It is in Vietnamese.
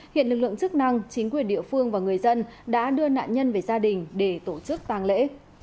hiện lực lượng chức năng chính quyền địa phương và người dân đã đưa nạn nhân về gia đình để tổ chức tàng lễ